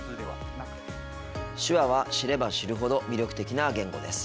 手話は知れば知るほど魅力的な言語です。